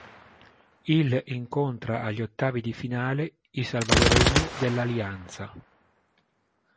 Il incontra agli ottavi di finale i salvadoregni dell'Alianza.